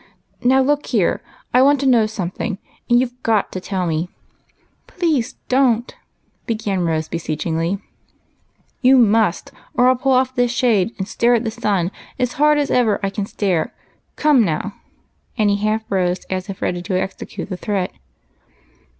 "Now look here, I want to know something, and you 've got to tell me." " Please, don't, —" began Rose, beseechingly. " You must^ or I '11 pull off this shade and stare at the sun as hard as ever I can stare. Come now !" and he half rose, as if ready to execute the threat.